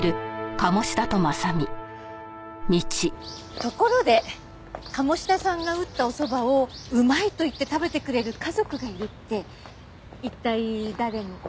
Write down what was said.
ところで鴨志田さんが打ったおそばをうまいと言って食べてくれる家族がいるって一体誰の事？